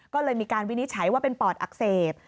ก็เลยมีการวินิจฉัยว่าเป็นปอดอักเสบ